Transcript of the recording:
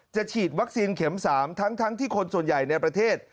ฉีดวัคซีนเข็ม๓ทั้งที่คนส่วนใหญ่ในประเทศ